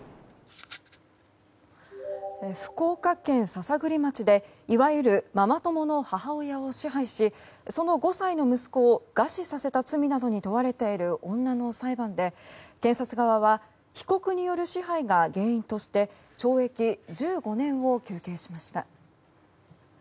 福岡県篠栗町でいわゆるママ友の母親を支配しその５歳の息子を餓死させた罪などに問われている女の裁判で検察側は被告による支配が原因として懲役１５年を求刑しました。